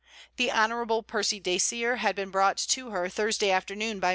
The Hon. Percy Dacier had been brought to her Thursday afternoon by.